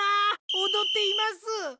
おどっています！